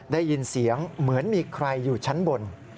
ได้ยินเสียงเหมือนมีใครอยู่ชั้นบน